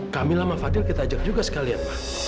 kamilah sama fadil kita ajak juga sekalian